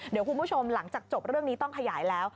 เดี๋ยวคุณผู้ชมหลังจากจบเรื่องนี้ต้องขยายแล้ว